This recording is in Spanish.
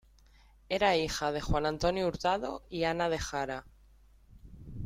Era hija de Juan Antonio Hurtado y Ana de Jara.